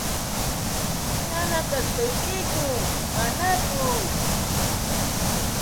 ¿Yanaqashqaykiku manaku?